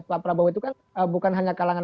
pak prabowo itu kan bukan hanya kalangan